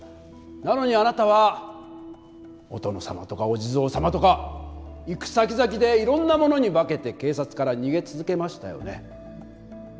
なのにあなたはお殿様とかお地蔵様とか行くさきざきでいろんなものに化けて警察から逃げ続けましたよね。